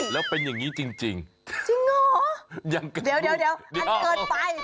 แล้วเป็นอย่างนี้จริงเหรอยังเดี๋ยวอันเกินไป